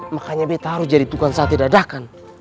makanya beta harus jadi tukang sate dadah kan